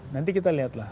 nanti kita lihat lah